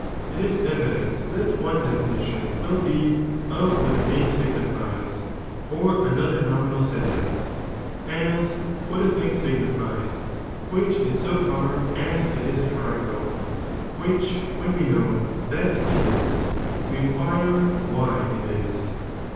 it is evident tbat ciibei cipiaim one definition will be of what a name signifies, or [[JJ,"™'"'* Another nominal Benlenc«, as what a thing signi fies, which is so far as it is a triangle, wiiich when we know liat it is, we inquire v/hj it is.'